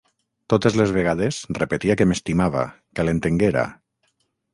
Totes les vegades repetia que m'estimava, que l'entenguera.